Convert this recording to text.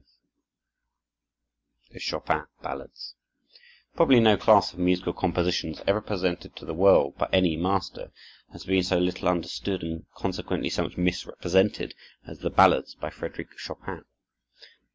The Chopin Ballades Probably no class of musical compositions ever presented to the world by any master has been so little understood, and consequently so much misrepresented as the ballades by Frederic Chopin.